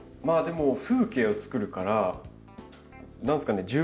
まあでも風景をつくるから何ですかね